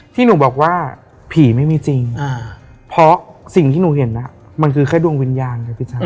ที่หนูบอกว่าผีไม่มีจริงเพราะสิ่งที่หนูเห็นมันคือแค่ดวงวิญญาณไงพี่แจ๊